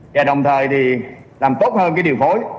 và đồng thời thì làm tốt hơn cái điều phối